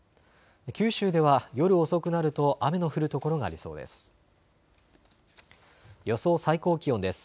九州では夜遅くなると雨の降る所がありそうです。